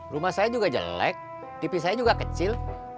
rumah saya juga jelek tv saya juga kecil